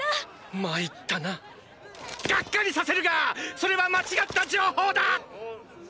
参ったなガッカリさせるがそれは間違った情報だ！